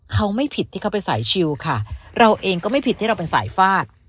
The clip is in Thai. เขาไม่ผิดที่เขาไปสายชิลค่ะเราเองก็ไม่ผิดที่เราเป็นสายฟาด